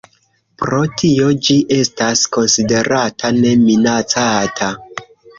Pro tio ĝi estas konsiderata Ne Minacata.